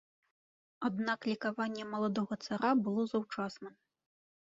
Аднак лікаванне маладога цара было заўчасным.